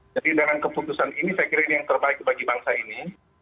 jadi dengan keputusan ini saya kira ini yang terbaik bagi bangsa ini